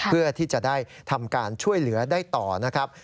เพื่อที่จะได้ทำการช่วยเหลือได้ต่อนะครับ